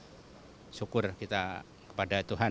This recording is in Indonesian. jadi syukur kita kepada tuhan